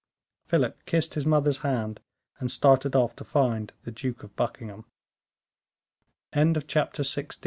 Philip kissed his mother's hand, and started off to find the Duke of Buckingham. Chapter XVII.